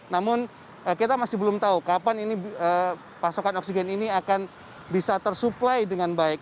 namun kita masih belum tahu kapan ini pasokan oksigen ini akan bisa tersuplai dengan baik